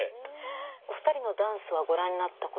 お二人のダンスはご覧になったことは？